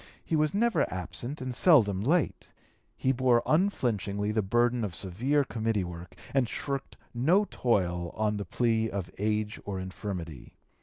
He was never absent and seldom late; he bore unflinchingly the burden of severe committee work, and shirked no toil on the plea of age or infirmity.